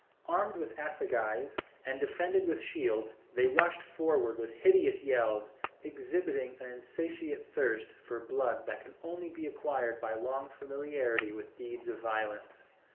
Armed with assegais, and defended with shields, they rushed forward with hideous yells, exhibiting an insatiate thirst for blood that can only be acquired by long familiarity with deeds of violence.